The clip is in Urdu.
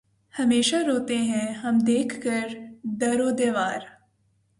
ہمیشہ روتے ہیں ہم دیکھ کر در و دیوار